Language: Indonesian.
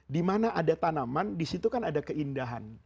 di mana ada tanaman di situ kan ada keindahan